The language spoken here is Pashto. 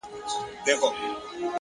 هوډ د وېرې پر وړاندې درېږي!